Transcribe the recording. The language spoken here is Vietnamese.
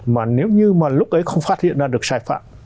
mà nếu như mà lúc ấy không phát hiện ra được sai phạm